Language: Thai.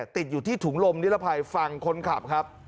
ติดอยู่ที่ถุงลมนิรภัยฝั่งคนขับครับ